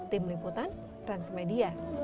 tim liputan transmedia